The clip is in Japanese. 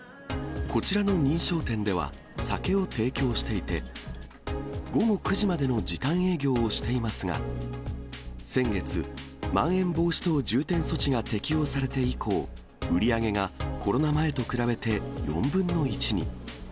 こちらの認証店では、酒を提供していて、午後９時までの時短営業をしていますが、先月、まん延防止等重点措置が適用されて以降、売り上げがコロナ前と比べて４分の１に。